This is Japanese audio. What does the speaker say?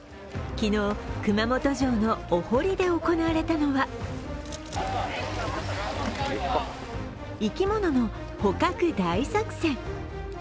昨日、熊本城のお堀で行われたのは生き物の捕獲大作戦。